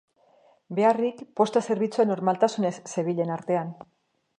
Beharrik, posta zerbitzua normaltasunez zebilen artean.